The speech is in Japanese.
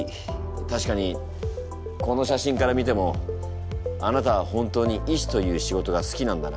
確かにこの写真から見てもあなたは本当に医師という仕事が好きなんだな。